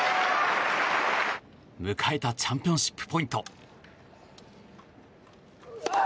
迎えたチャンピオンシップポイント。